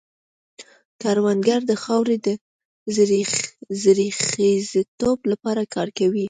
کروندګر د خاورې د زرخېزتوب لپاره کار کوي